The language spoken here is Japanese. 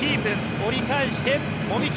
折り返して籾木。